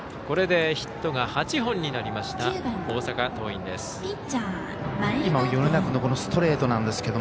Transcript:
これでヒットが８本になりました大阪桐蔭です。